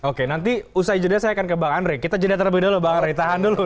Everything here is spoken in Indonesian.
oke nanti usai jeda saya akan ke bang andre kita jeda terlebih dahulu bang ray tahan dulu